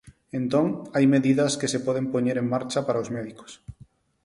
Entón, hai medidas que se poden poñer en marcha para os médicos.